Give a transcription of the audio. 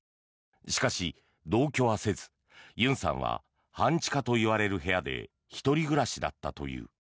しかし、同居はせずユンさんは半地下と呼ばれる部屋で１人暮らしだったという。